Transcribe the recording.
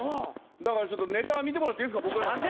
だからちょっとネタ見てもらっていいですか？